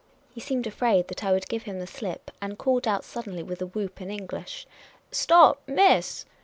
He seemed afraid that I would give him the .slip, and called out suddenly, with a whoop, in English, " St(^p, mi.ss